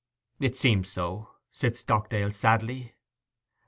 'It seems so,' said Stockdale sadly.